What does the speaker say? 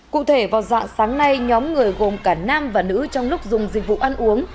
cụ thể vào dạng sáng nay nhóm người gồm cả nam và nữ trong lúc dùng dịch vụ ăn uống